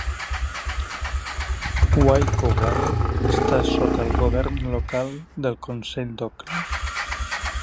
Waikowhai està sota el govern local del consell d'Auckland.